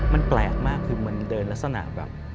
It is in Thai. มันแปลกมากคือเหมือนเดินลักษณะแบบ